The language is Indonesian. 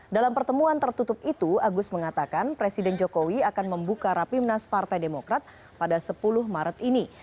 dalam pertemuan tertutup itu agus mengatakan presiden jokowi akan membuka rapimnas partai demokrat pada sepuluh maret ini